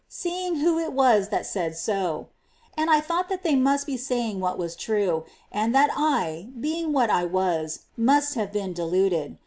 385 seeing who it was that said so ; and I thought that they must be saying what was true, and that I, being what I was, must have been deluded.